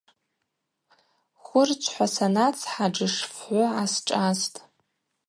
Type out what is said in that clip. Хвырчвхӏва санацхӏа джышфгӏвы гӏасшӏастӏ.